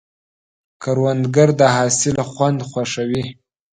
کروندګر د حاصل خوند خوښوي